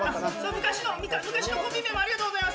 昔のコンビ名ありがとうございます。